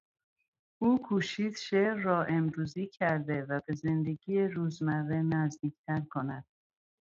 او کوشید شعر را امروزی کرده و به زندگی روزمره نزدیک تر کند.